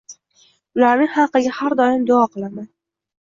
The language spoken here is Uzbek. Ularning haqqiga har doim duo qilaman.